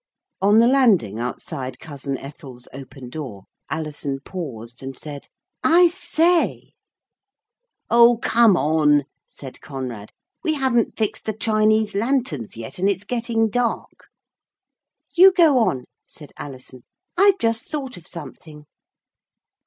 On the landing outside cousin Ethel's open door Alison paused and said, 'I say!' 'Oh! come on,' said Conrad, 'we haven't fixed the Chinese lanterns yet, and it's getting dark.' 'You go on,' said Alison, 'I've just thought of something.'